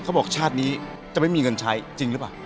เขาบอกชาตินี้จะไม่มีเงินใช้จริงหรือเปล่า